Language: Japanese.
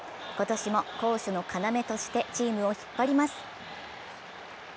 今年も攻守の要としてチームを引っ張ります。